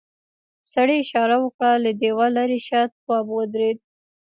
سړي اشاره وکړه له دیوال ليرې شه تواب ودرېد.